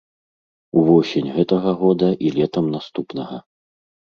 Увосень гэтага года і летам наступнага.